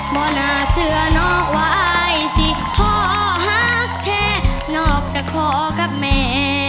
บ่นาเสือนอกว่าไอสิฮอฮักเทนอกแต่พ่อกับแม่